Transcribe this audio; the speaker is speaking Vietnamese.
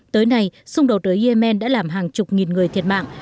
tới nay xung đột ở yemen đã làm hàng chục nghìn người thiệt mạng